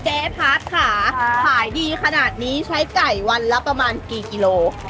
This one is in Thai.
เจ๊พัดค่ะขายดีขนาดนี้ใช้ไก่วันละประมาณกี่กิโล